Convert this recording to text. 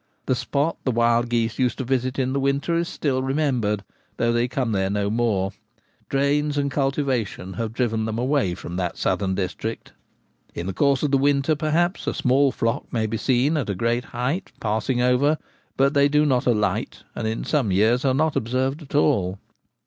The spot the wild geese used to visit in the winter is still remembered, though they come there no more ; drains and cultivation having driven them away from that southern district. In the course of the winter, perhaps, a small flock may be seen at a great height passing over, but they do not alight, and in some years are not observed at all.